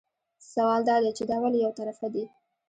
سوال دا دی چې دا ولې یو طرفه دي.